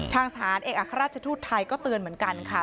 ทางสถานเอกอัครราชทูตไทยก็เตือนเหมือนกันค่ะ